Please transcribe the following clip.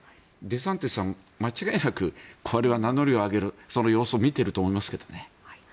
デサンティスさん間違いなくこれは名乗りを上げるその様子を見ていると思いますけどね。